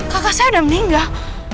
kakak saya udah meninggal